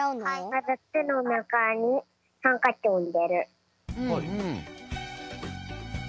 まずてのなかにハンカチをいれる。